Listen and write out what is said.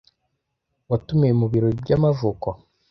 Watumiwe mubirori by'amavuko?